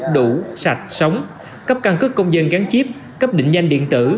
đủ sạch sống cấp căn cức công dân gắn chiếp cấp định danh điện tử